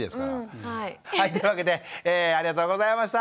はいというわけでありがとうございました。